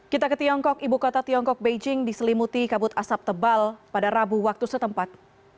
kita ke tiongkok ibu kota tiongkok beijing diselimuti kabut asap tebal pada rabu waktu setempat